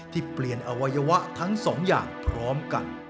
ที่เปลี่ยนอวัยวะทั้งสองอย่างพร้อมกัน